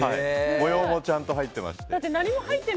模様もちゃんと入っていまして。